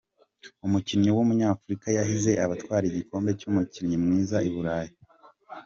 Umukinnyi Wumuny’Afurika yahize abatwara igikombe cy’umukinnyi mwiza i Burayi